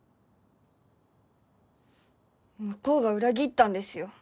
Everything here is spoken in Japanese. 向こうが裏切ったんですよ。